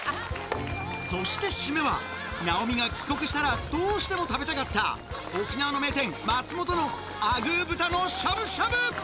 そして、締めは、直美が帰国したらどうしても食べたかった、沖縄の名店、まつもとのあぐー豚のしゃぶしゃぶ。